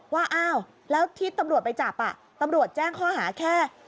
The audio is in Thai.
ว่าอ้าวแล้วที่ตำรวจไปจับตำรวจแจ้งข้อหาแค่